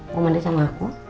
mau mandi sama aku